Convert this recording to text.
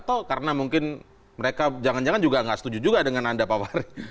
atau karena mungkin mereka jangan jangan juga nggak setuju juga dengan anda pak fahri